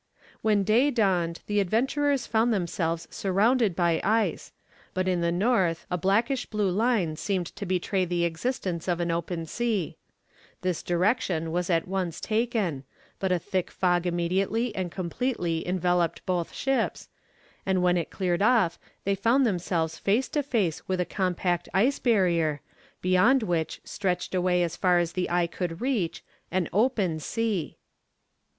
When day dawned the adventurers found themselves surrounded by ice, but in the north a blackish blue line seemed to betray the existence of an open sea. This direction was at once taken, but a thick fog immediately and completely enveloped both ships, and when it cleared off they found themselves face to face with a compact ice barrier, beyond which stretched away as far as the eye could reach AN OPEN SEA!